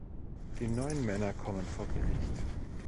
Die neun Männer kommen vor Gericht.